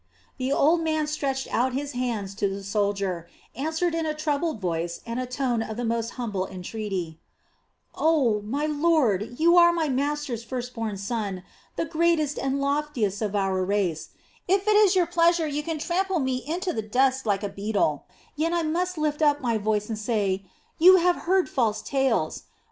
The old man stretched out his hands to the soldier, and answered in a troubled voice and a tone of the most humble entreaty: "Oh, my lord, you are my master's first born son, the greatest and loftiest of your race, if it is your pleasure you can trample me into the dust like a beetle, yet I must lift up my voice and say: 'You have heard false tales!